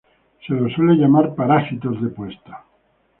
Se los suele llamar parásitos de puesta.